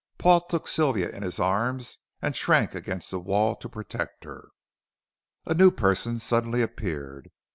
Paul took Sylvia in his arms, and shrank against the wall to protect her. A new person suddenly appeared.